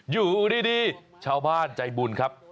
อยู่ดีชาวบ้านใจบุญครับ